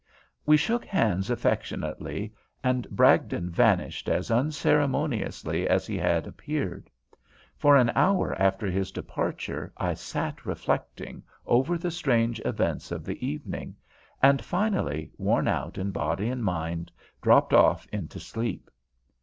We shook hands affectionately, and Bragdon vanished as unceremoniously as he had appeared. For an hour after his departure I sat reflecting over the strange events of the evening, and finally, worn out in body and mind, dropped off into sleep.